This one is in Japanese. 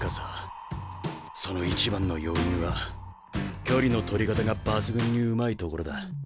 その一番の要因は距離の取り方が抜群にうまいところだ。